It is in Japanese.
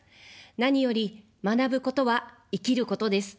何より、学ぶことは生きることです。